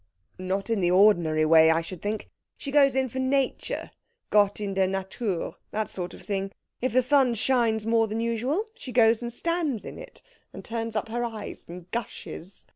"Not in the ordinary way, I should think. She goes in for nature. Gott in der Natur, and that sort of thing. If the sun shines more than usual she goes and stands in it, and turns up her eyes and gushes.